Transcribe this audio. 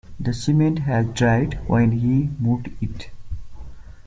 The cement had dried when he moved it.